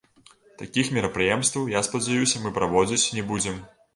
Такіх мерапрыемстваў, я спадзяюся, мы праводзіць не будзем.